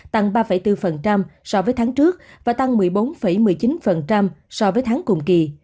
tăng ba bốn so với tháng trước và tăng một mươi bốn một mươi chín so với tháng cùng kỳ